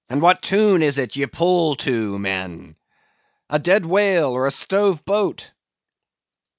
"And what tune is it ye pull to, men?" "A dead whale or a stove boat!"